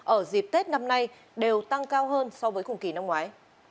ở dịp tết năm nay đều tăng cao hơn so với cùng kỳ năm ngoái